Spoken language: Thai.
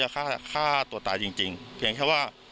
ฆ่าฆ่าตัวตายจริงเพียงแค่ว่า